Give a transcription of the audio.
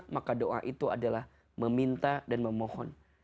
maka doa itu adalah meminta dan memohon